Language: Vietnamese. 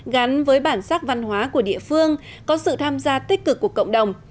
gắn với bản sắc văn hóa của địa phương có sự tham gia tích cực của cộng đồng